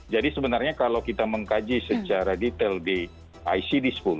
jadi sebenarnya kalau kita mengkaji secara detail di icd sepuluh